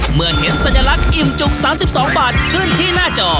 เมื่อเห็นสัญลักษณ์อิ่มจุก๓๒บาทขึ้นที่หน้าจอ